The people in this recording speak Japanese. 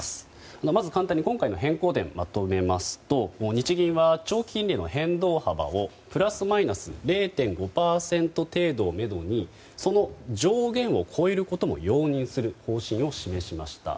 簡単に今回の変更点をまとめますと日銀は長期金利の変動幅をプラスマイナス０．５％程度をめどにその上限を超えることも容認する方針を示しました。